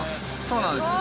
そうなんです。